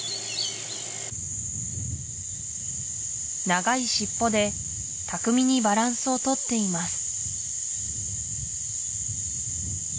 長いしっぽでたくみにバランスをとっています